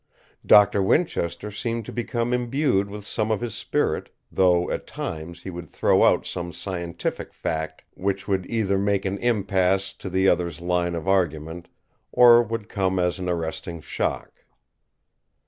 Doctor Winchester seemed to become imbued with some of his spirit, though at times he would throw out some scientific fact which would either make an impasse to the other's line of argument, or would come as an arresting shock.